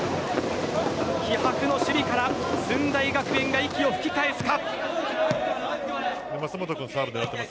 気迫の守備から駿台学園が息を吹き返すか。